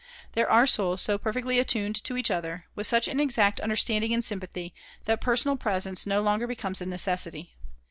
There are souls so perfectly attuned to each other, with such an exact understanding and sympathy, that personal presence no longer becomes a necessity.